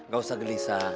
gak usah gelisah